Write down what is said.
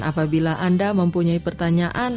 apabila anda mempunyai pertanyaan